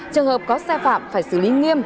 trường hợp có xe phạm phải xử lý nghiêm